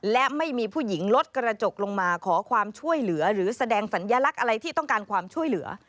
และไม่มีผู้หญิงลดกระจกลงมาขอความช่วยเหลือหรือแสดงสัญลักษณ์อะไรที่ต้องการความช่วยเหลือ